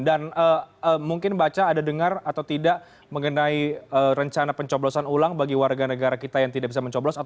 mungkin baca ada dengar atau tidak mengenai rencana pencoblosan ulang bagi warga negara kita yang tidak bisa mencoblos